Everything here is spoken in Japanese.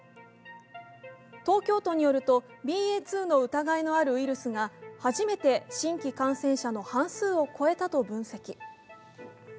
東京都によると、ＢＡ．２の疑いのあるウイルスが初めて新規感染者の半数を超えたと分析。